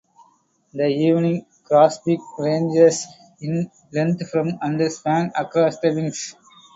The evening grosbeak ranges in length from and spans across the wings.